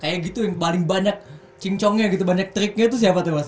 kayak gitu yang paling banyak king congnya gitu banyak triknya itu siapa tuh mas